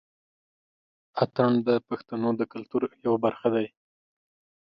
اتڼ د پښتنو کلتور يوه برخه دى.